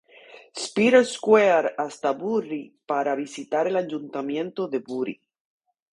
Peter's Square hasta Bury para visitar el Ayuntamiento de Bury.